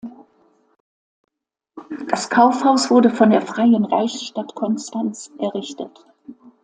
Das Kaufhaus wurde von der Freien Reichsstadt Konstanz errichtet.